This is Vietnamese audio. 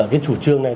cái chủ trương này